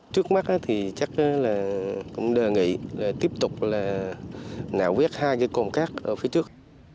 trước mắt thì chắc là cũng đề nghị là tiếp tục là nạo vét hai cái cồn cát ở phía trước